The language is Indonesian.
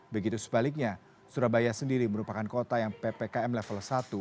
begitu sebaliknya surabaya sendiri merupakan kota yang ppkm level satu